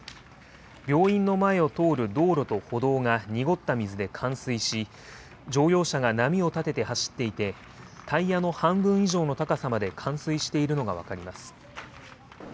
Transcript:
病院の前を通る道路と歩道が濁った水で冠水し、乗用車が波を立てて走っていて、タイヤの半分以上の高さまで冠水しているのが分かります。